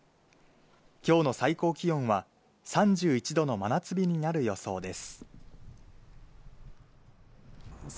今日の最高気温は３１度の真夏日になる予想です。